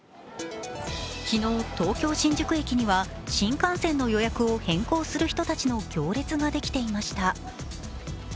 昨日、東京・新宿駅には新幹線の予約を変更する人たちの行列ができていました。